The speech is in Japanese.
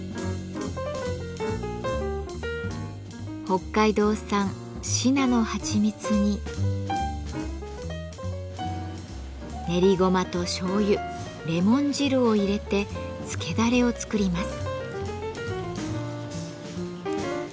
北海道産しなのはちみつに練りごまとしょうゆレモン汁を入れて漬けだれを作ります。